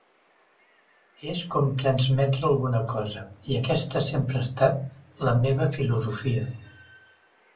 És com transmetre alguna cosa, i aquesta sempre ha estat la meva filosofia.